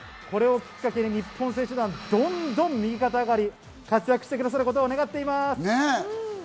これをきっかけに日本選手団、どんどん右肩上がりに活躍してくださることを願っています。